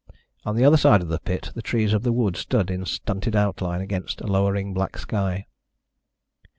On the other side of the pit the trees of the wood stood in stunted outline against a lowering black sky.